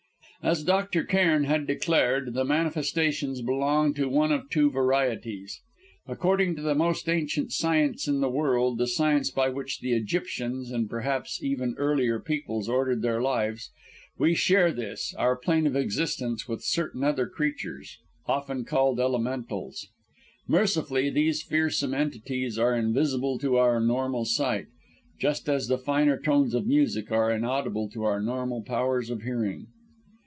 As Dr. Cairn had declared, the manifestations belonged to one of two varieties. According to the most ancient science in the world, the science by which the Egyptians, and perhaps even earlier peoples, ordered their lives, we share this, our plane of existence, with certain other creatures, often called Elementals. Mercifully, these fearsome entities are invisible to our normal sight, just as the finer tones of music are inaudible to our normal powers of hearing.